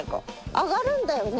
上がるんだよね？